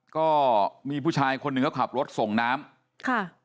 ก็มีผู้ชายคนหนึ่งเขาขับรถส่งน้ำค่ะ